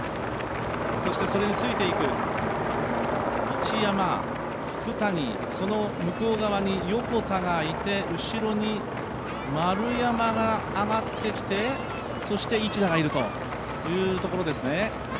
そしてそれについて行く、市山、聞谷、その向こう側に横田がいて後ろに丸山が上がってきてそして市田がいるというところですね。